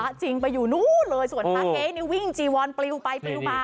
จริงไปอยู่นู้นเลยส่วนพระเก๊นี่วิ่งจีวอนปลิวไปปลิวมา